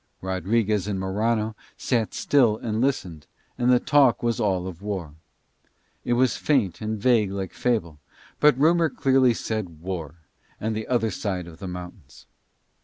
Rodriguez and Morano sat still and listened, and the talk was all of war. It was faint and vague like fable, but rumour clearly said War, and the other side of the mountains.